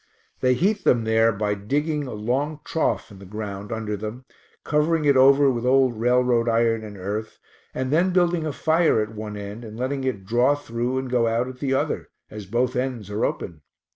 They heat them there by digging a long trough in the ground under them, covering it over with old railroad iron and earth, and then building a fire at one end and letting it draw through and go out at the other, as both ends are open.